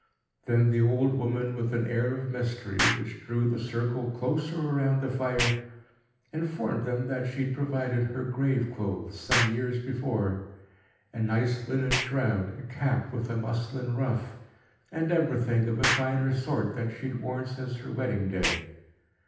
Then the old woman, with an air of mystery, which drew the circle closer round the fire, informed them that she had provided her graveclothes some years before, a nice linen shroud, a cap with a muslin ruff, and everything of a finer sort than she had worn since her wedding day.